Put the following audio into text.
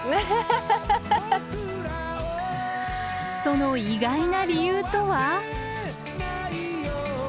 その意外な理由とは？